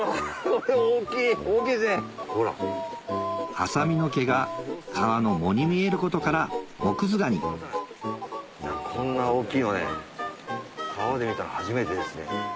ハサミの毛が川の藻に見えることからモクズガニこんな大きいの川で見たの初めてですね。